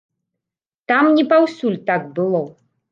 Там не паўсюль так было.